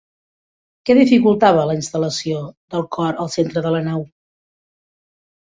Què dificultava la instal·lació del cor al centre de la nau?